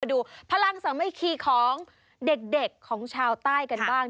ดูพลังสามัคคีของเด็กของชาวใต้กันบ้าง